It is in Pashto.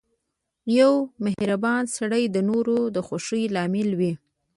• یو مهربان سړی د نورو د خوښۍ لامل وي.